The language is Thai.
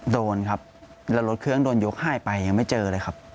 โดนครับแล้วรถเครื่องโดนยกหายไปยังไม่เจอเลยครับ